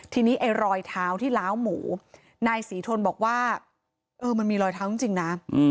ทีนี้ไอ้รอยเท้าที่ล้าวหมูนายศรีทนบอกว่าเออมันมีรอยเท้าจริงนะ